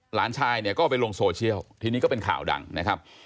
หลานชายเนี่ยก็ไปลงโซเชียลทีนี้ก็เป็นข่าวดังนะครับ